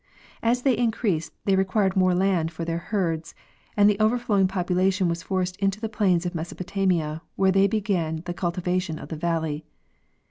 As they increased they required more land for their herds, and the overflowing population was forced into the plains of Mesopotamia, where they began the cultivation of the valley.